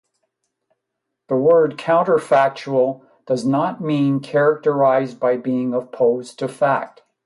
The word "counterfactual" does not mean "characterized by being opposed to fact.